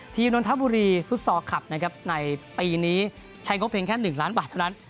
นนทบุรีฟุตซอลคลับนะครับในปีนี้ใช้งบเพียงแค่๑ล้านบาทเท่านั้น